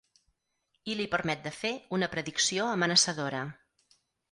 I li permet de fer una predicció amenaçadora.